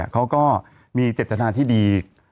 เขาก็มีเจตนาที่ดี